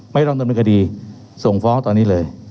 ไม่ต้องต้นมือในกระดีส่งฟ้องตอนนี้เลย